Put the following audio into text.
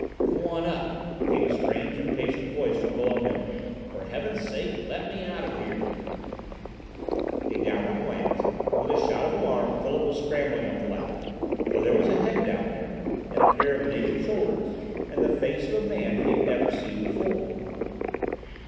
"Go on up!" came a strange, impatient voice from below him. "For heaven's sake let me out of here!" A downward glance, and with a shout of alarm Philip was scrambling up the ladder, for there was a head down there, and a pair of naked shoulders, and the face of a man he had never seen before.